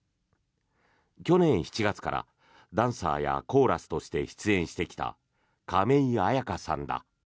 去年７月からダンサーやコーラスとして出演してきた亀井彩花さんだ。